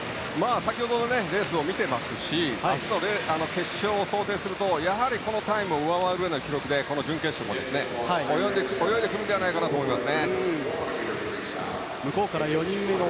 先ほどのレースを見ていますし明日の決勝を想定するとやはりこのタイムを上回る記録でこの準決勝も泳いでくるのではないかと思います。